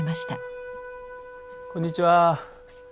あっこんにちは。